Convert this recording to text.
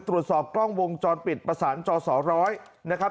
ตรวจสอบกล้องวงจรปิดประสานจอสอร้อยนะครับ